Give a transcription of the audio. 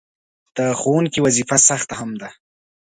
د ښوونکي وظیفه سخته هم ده.